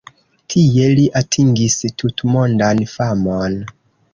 Tie li atingis tutmondan famon.